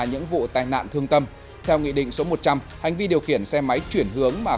những vụ tai nạn thương tâm theo nghị định số một trăm linh hành vi điều khiển xe máy chuyển hướng mà